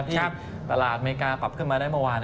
ที่ตลาดอเมริกาปรับขึ้นมาได้เมื่อวาน